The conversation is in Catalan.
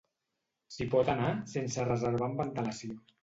S'hi pot anar sense reservar amb antelació.